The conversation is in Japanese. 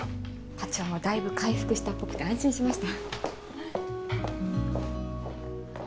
課長もだいぶ回復したっぽくて安心しました。